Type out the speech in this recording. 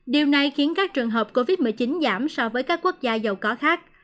điều này khiến các trường hợp covid một mươi chín giảm so với các quốc gia giàu có khác